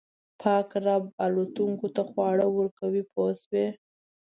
پاک رب الوتونکو ته خواړه ورکوي پوه شوې!.